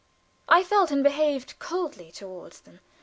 I felt and behaved coldly toward them!